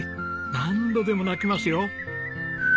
何度でも鳴きますよ。